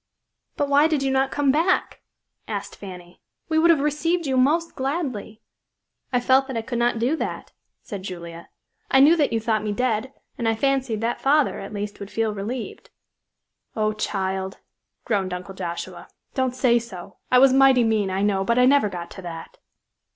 "But why did you not come back?" asked Fanny. "We would have received you most gladly." "I felt that I could not do that," said Julia. "I knew that you thought me dead, and I fancied that father, at least, would feel relieved." "Oh, child," groaned Uncle Joshua, "don't say so. I was mighty mean, I know, but I never got to that."